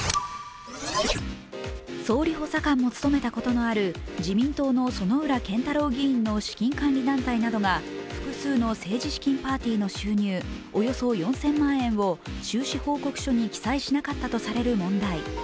総理補佐官も務めたことのある自民党の薗浦健太郎議員の資金管理団体などが複数の政治資金パーティーの収入およそ４０００万円を収支報告書に記載しなかったとされる問題。